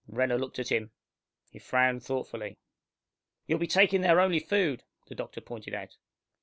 Renner looked at him. He frowned thoughtfully. "You'll be taking their only food," the doctor pointed out.